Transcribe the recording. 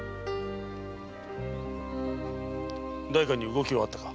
代官に動きはあったか？